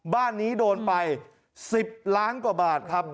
บ้านนี้โดนไป๑๐ล้านกว่าบาทครับ